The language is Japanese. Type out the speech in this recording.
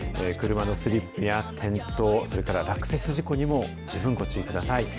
車のスリップや転倒、それから落雪事故にも十分ご注意ください。